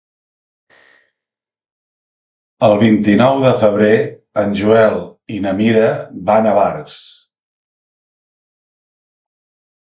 El vint-i-nou de febrer en Joel i na Mira van a Barx.